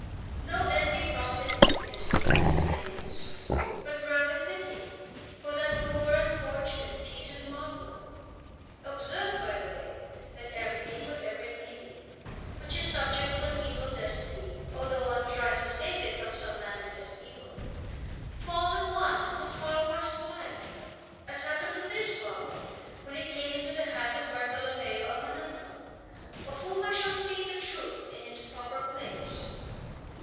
No envy prompted me to dispute his claims, but rather pity for that poor unfortunate piece of marble. Observe, by the way, that everything, whatever it may be, which is subject to an evil destiny, although one tries to save it from some manifest evil, falls at once into far worse plight; as happened to this marble when it came into the hands of Bartolommeo Ammanato, of whom I shall speak the truth in its proper place.